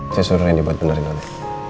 saya suruh reina buat benerin aja